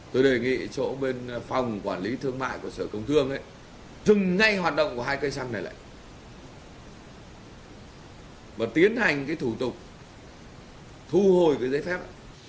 tôi đề nghị chỗ bên phòng quản lý thương mại của sở công thương chừng ngay hoạt động của hai cây xăng này lại và tiến hành cái thủ tục thu hồi cái giấy phép